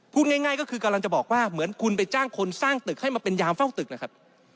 พูดง่ายก็คือกำลังจะบอกว่าเหมือนคุณไปจ้างคนสร้างตึกให้มาเป็นยามเฝ้าตึกนะครับ